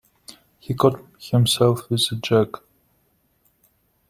He caught himself with a jerk.